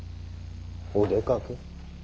お出かけ？